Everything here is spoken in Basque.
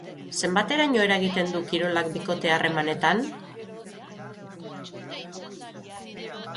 Zenbateraino eragiten du kirolak bikote harremanetan?